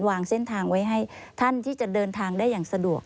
วางเส้นทางไว้ให้ท่านที่จะเดินทางได้อย่างสะดวก